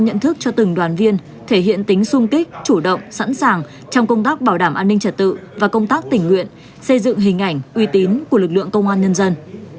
an ninh trật tự và công tác tỉnh nguyện xây dựng hình ảnh uy tín của lực lượng công an nhân dân